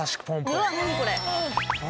うわっ何これ！